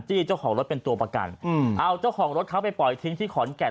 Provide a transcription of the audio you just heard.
เจ้าของรถเป็นตัวประกันเอาเจ้าของรถเขาไปปล่อยทิ้งที่ขอนแก่น